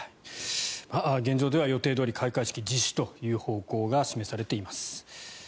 現状では予定どおり開会式は実施という方向が示されています。